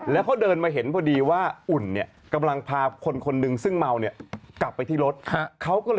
แล้วเขาเดินมาเห็นพอดีว่าอุ่นกำลังพาคนคนนึงซึ่งเมา